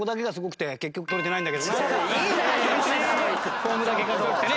フォームだけかっこ良くてね